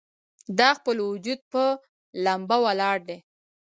د خپل وجود پۀ ، لمبه ولاړ دی